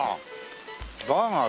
バーガー？